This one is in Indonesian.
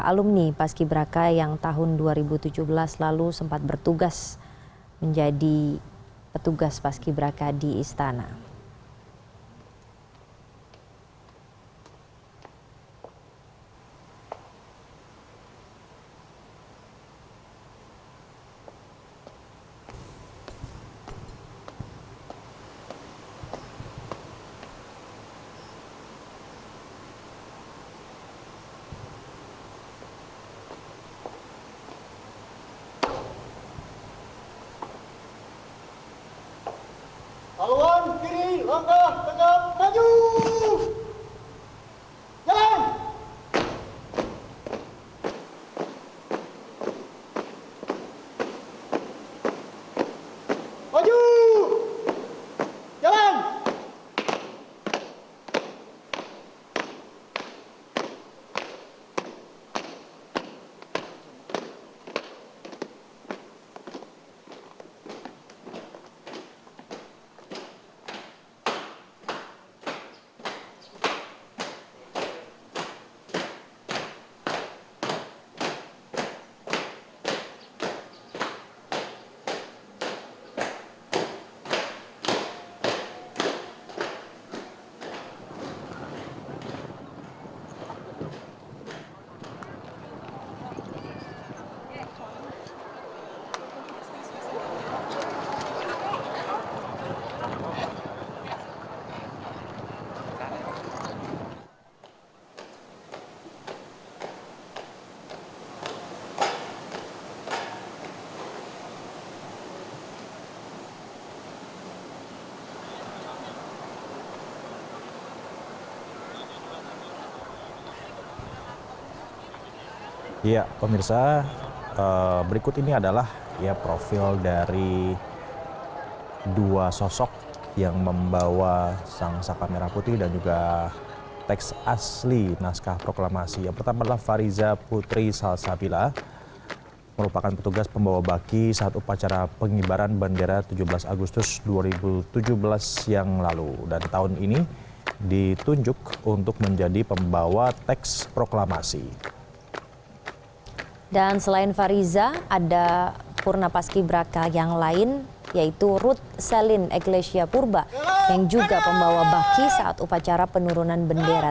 alumni paski braka yang tahun dua ribu tujuh belas lalu sempat bertugas menjadi petugas paski braka di istana